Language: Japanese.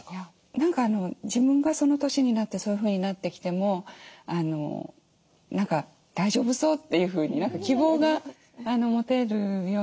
何か自分がその年になってそういうふうになってきても何か大丈夫そうっていうふうに何か希望が持てるように思いましたね。